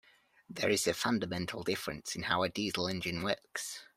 There is a fundamental difference in how a diesel engine works.